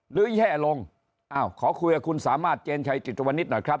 แย่ลงอ้าวขอคุยกับคุณสามารถเจนชัยจิตวนิษฐ์หน่อยครับ